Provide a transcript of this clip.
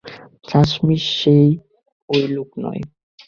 চাশমিশ, সে ওই লোক নয়।